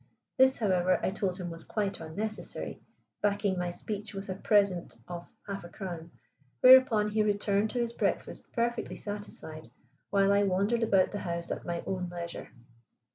This, however, I told him was quite unnecessary, backing my speech with a present of half a crown, whereupon he returned to his breakfast perfectly satisfied, while I wandered about the house at my own leisure.